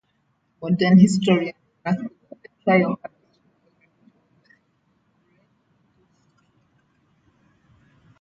A modern historian remarked that the trial "had a strong element of the grotesque".